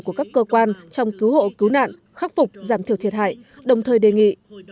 của các cơ quan trong cứu hộ cứu nạn khắc phục giảm thiểu thiệt hại đồng thời đề nghị